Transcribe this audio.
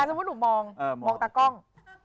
สมมุติหนูมองมองตากล้อง